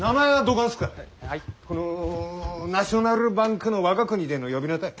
この「ナショナルバンク」の我が国での呼び名たい。